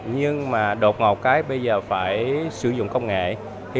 nhưng mà đột ngột cái bây giờ phải sử dụng công nghệ